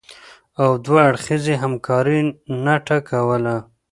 او دوه اړخیزې همکارۍ نټه کوله